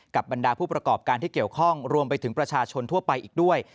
บรรดาผู้ประกอบการที่เกี่ยวข้องรวมไปถึงประชาชนทั่วไปอีกด้วย